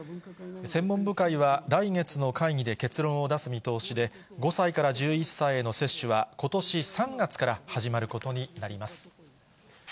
専門部会は、来月の会議で結論を出す見通しで、５歳から１１歳への接種はことし３月から始まることになります。